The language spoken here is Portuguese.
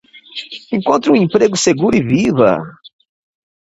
Encontre um emprego seguro e viva